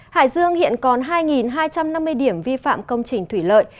hải dương hiện còn hai hai trăm năm mươi điểm vi phạm công trình thủy lợi